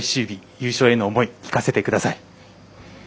優勝への思い、聞かせてください。